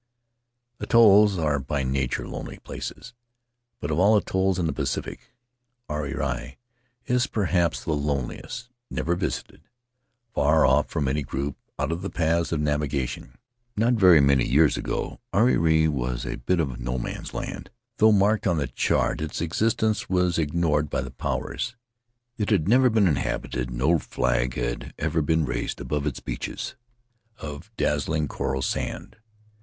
Atolls are by nature lonely places, but of all atolls in the Pacific, Ariri is perhaps the loneliest — never visited, far off from any group, out of the paths of navigation. Not very many years ago Ariri was a bit of no man's land; though marked on the chart, its existence was ignored by the Powers — it had never been inhabited, no flag had ever been raised above its beaches of dazzling coral sand.